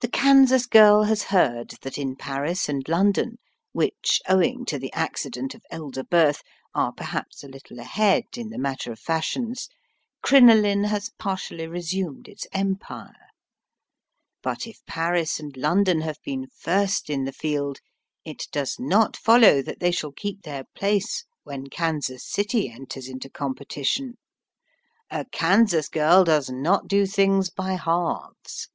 The Kansas girl has heard that in Paris and London, which, owing to the accident of elder birth, are perhaps a little ahead in the matter of fashions, crinoline has partially resumed its empire. But if Paris and London have been first in the field, it does not follow that they shall keep their place when Kansas City enters into competition. A Kansas girl does not do things by halves.